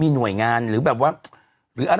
กล้วยทอด๒๐๓๐บาท